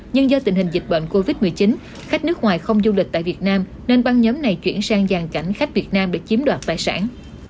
nhưng do tình hình dịch bệnh covid một mươi chín khách nước ngoài không du lịch tại việt nam nên băng nhóm này chuyển sang giàn cảnh khách việt nam để chiếm đoạt tài sản